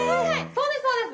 そうですそうです。